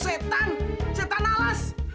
cetan cetan alas